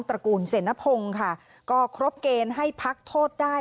ระกูลเสนพงศ์ค่ะก็ครบเกณฑ์ให้พักโทษได้